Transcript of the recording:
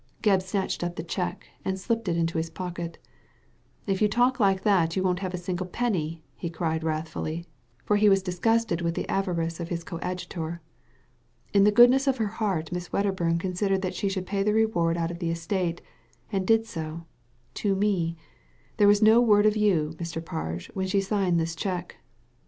Gebb snatched up the cheque, and slipped it into his pocket If you talk like that you won't have a single penny I " he cried wrathfully, for he was dis* gusted with the avarice of his coadjutor. " In the goodness of her heart Miss Wedderbum considered that she should pay the reward out of the estate, and did so— to me ; there was no word of you, Mr. Parge, when she signed this cheque."